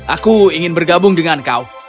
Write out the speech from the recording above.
aku ingin bergabung dengan kau